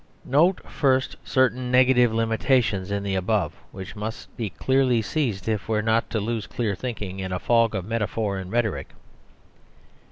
Note first certain negative limitations in the above which must be clearly seized if we are not to lose clear thinking in a fog of metaphor and rhetoric.